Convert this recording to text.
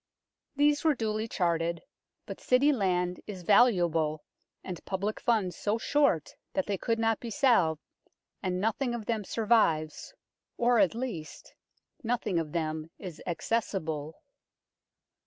These were duly charted, but City land is valuable and public funds so short that they could not be salved, and nothing of them survives or, at least, nothing of them is acces sible.